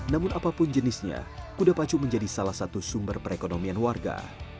namun apapun jenisnya kuda pacu menjadi salah satu sumber perekonomian warga